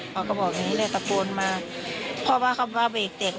เขาก็บอกอย่างงี้เลยตะโกนมาเพราะว่าเขามาเบรกแตก